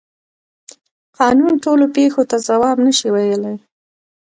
قانون ټولو پیښو ته ځواب نشي ویلی.